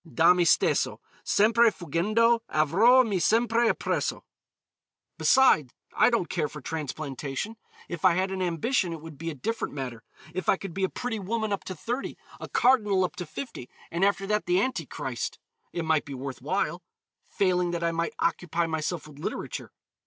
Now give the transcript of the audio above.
Da me stesso Sempre fuggendo, avrò me sempre appresso. Beside I don't care for transplantation. If I had an ambition it would be a different matter. If I could be a pretty woman up to thirty, a cardinal up to fifty, and after that the Anti Christ, it might be worth while. Failing that I might occupy myself with literature.